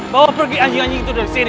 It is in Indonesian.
bawa pergi anjing anjing itu dari sini